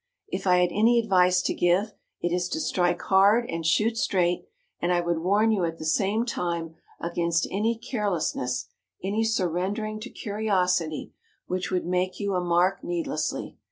"If I had any advice to give, it is to strike hard and shoot straight, and I would warn you at the same time against any carelessness, any surrendering to curiosity, which would make you a mark needlessly.